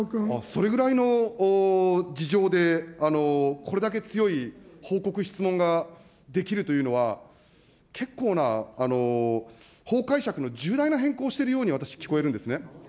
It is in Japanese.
それぐらいの事情で、これだけ強い報告質問ができるというのは、結構な法解釈の重大な変更しているように私、聞こえるんですね。